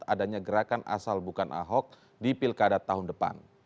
adanya gerakan asal bukan ahok di pilkada tahun depan